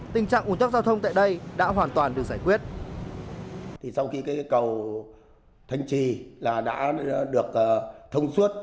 tình trạng ủn tắc giao thông tại đây đã hoàn toàn được giải quyết